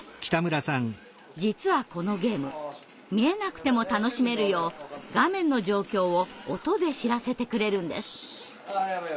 実はこのゲーム見えなくても楽しめるよう画面の状況を音で知らせてくれるんです。